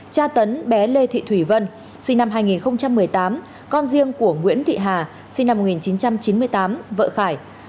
cha tấn bé lê thị thủy vân sinh năm hai nghìn một mươi tám con riêng của nguyễn thị hà sinh năm một nghìn chín trăm chín mươi tám vợ khải